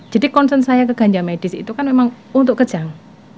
jadi konsen saya ke ganja medis itu kan memang untuk kerjang